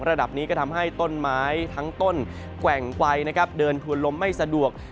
ระดับนี้ก็ทำให้ต้นไม้ทั้งต้นแกว่งไวนะครับเดินถวนลมไม่สะดวก